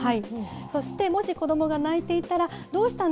そして、もし子どもが泣いていたら、どうしたの？